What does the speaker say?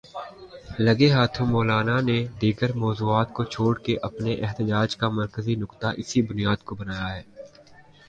لگے ہاتھوں مولانا نے دیگر موضوعات کو چھوڑ کے اپنے احتجاج کا مرکزی نکتہ اسی بنیاد کو بنایا ہے۔